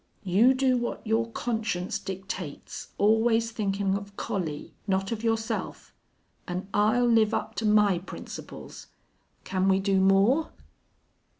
You do what your conscience dictates, always thinkin' of Collie not of yourself! An' I'll live up to my principles. Can we do more?"